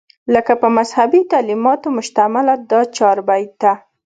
لکه پۀ مذهبي تعليماتو مشتمله دا چاربېته